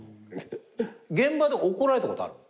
現場で怒られたことある？